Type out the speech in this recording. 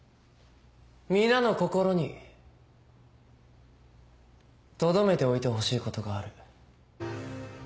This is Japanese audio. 皆の心にとどめておいてほしいことがある。